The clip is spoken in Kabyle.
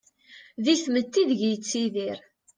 Di tmetti ideg-i yettidir.